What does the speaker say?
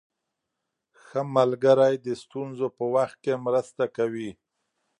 ښه ملګری د ستونزو په وخت کې مرسته کوي.